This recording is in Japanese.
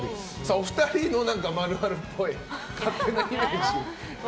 お二人の○○っぽい勝手なイメージありますか？